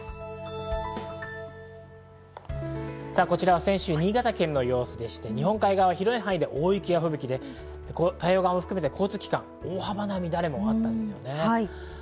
こちらは先週の新潟県の様子でして日本海側、広い範囲で大雪や吹雪で太平洋側も含めて大幅な乱れがあったんですよね。